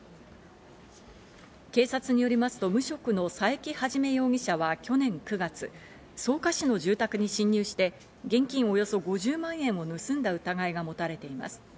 警察によりますと、無職の佐伯一容疑者は去年９月、草加市の住宅に侵入して現金およそ５０万円を盗んだ疑いが持たれています。